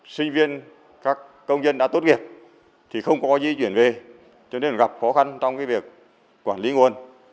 sinh viên các công dân đã tốt nghiệp thì không có di chuyển về cho nên gặp khó khăn trong việc quản lý nguồn